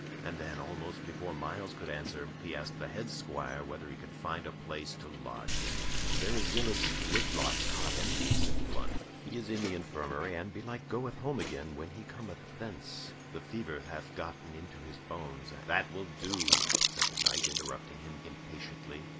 And then, almost before Myles could answer, he asked the head squire whether he could find a place to lodge him. "There is Gillis Whitlock's cot empty," said Blunt. "He is in the infirmary, and belike goeth home again when he cometh thence. The fever hath gotten into his bones, and " "That will do," said the knight, interrupting him impatiently.